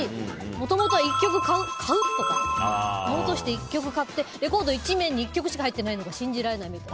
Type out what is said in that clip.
もともと１曲買うとか１曲買ってレコード１面に１曲しか入ってないのが信じられないって。